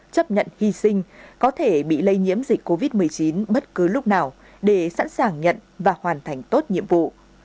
chấp nhận hy sinh có thể bị lây nhiễm dịch covid một mươi chín bất cứ lúc nào để sẵn sàng nhận và hoàn thành tốt nhiệm vụ